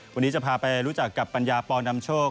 วันนี้จะพาไปรู้จักกับปัญญาปอนำโชค